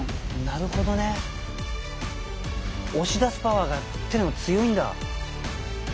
なるほどね押し出すパワーが強いんだ。